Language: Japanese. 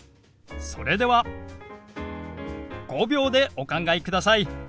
それでは５秒でお考えください！